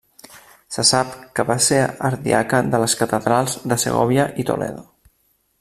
Se sap que va ser ardiaca de les catedrals de Segòvia i Toledo.